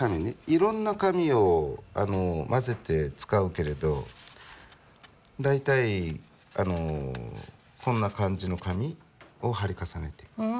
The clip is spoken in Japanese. いろんな紙を混ぜて使うけれど大体こんな感じの紙を貼り重ねていく。